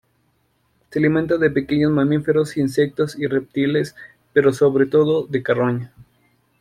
Se alimenta de pequeños mamíferos, insectos y reptiles, pero sobre todo de carroña.